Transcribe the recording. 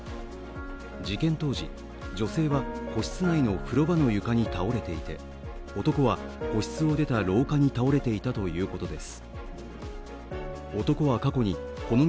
事件当時、女性は個室内の風呂場の床に倒れていて男は個室を出た廊下に倒れていたということです。